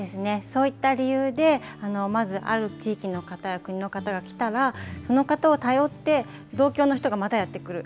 そういった理由で、まずある地域の方や国の方が来たら、その方を頼って、同郷の人がまたやって来る。